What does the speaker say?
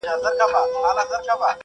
هغه تعبیر چي پخوانیو خلګو کاوه غلط و.